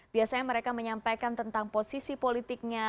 biasanya mereka menyampaikan tentang posisi politiknya